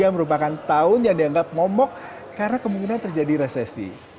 dua ribu dua puluh tiga merupakan tahun yang dianggap ngomong karena kemungkinan terjadi resesi